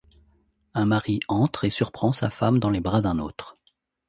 Un mari entre et surprend sa femme dans les bras d'un autre.